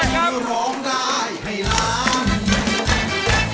ที่ร้องได้ให้ร้าน